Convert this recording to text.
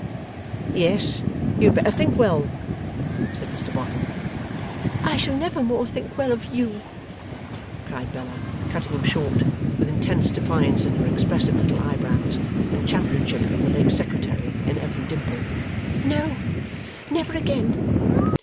'Yes, you had better think well,' said Mr Boffin. 'I shall never more think well of YOU,' cried Bella, cutting him short, with intense defiance in her expressive little eyebrows, and championship of the late Secretary in every dimple. 'No! Never again!